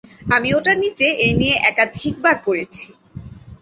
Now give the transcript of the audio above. আমি ওটার নিচে এই নিয়ে একাধিকবার পড়েছি।